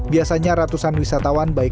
biasanya ratusan wisatawan berpengalaman